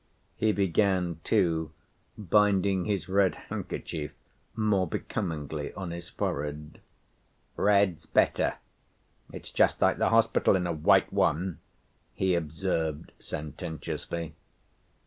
He began, too, binding his red handkerchief more becomingly on his forehead. "Red's better. It's just like the hospital in a white one," he observed sententiously.